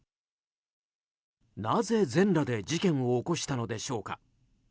なぜ全裸で事件を起こしたのでしょうか。